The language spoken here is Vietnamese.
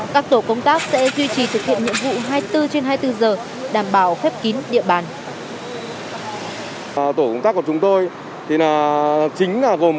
các tổ công tác sẽ duy trì thực hiện nhiệm vụ hai mươi bốn trên hai mươi bốn giờ đảm bảo khép kín địa bàn